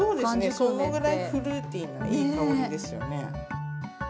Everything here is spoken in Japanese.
そのぐらいフルーティーないい香りですよね。